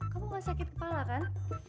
kamu gak sakit kepala kan